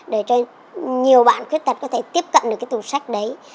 để cho nhiều bạn khuyết tật có thể tiếp cận được cái tủ sách đấy